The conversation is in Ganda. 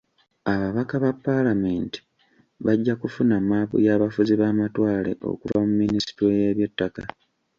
Ababaka ba paalamenti bajja kufuna mmaapu y'abafuzi b'amatwale okuva mu minisitule y'ebyettaka.